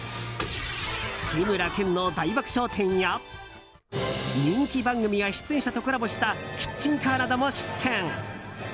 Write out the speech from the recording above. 「志村けんの大爆笑展」や人気番組や出演者とコラボしたキッチンカーなども出店。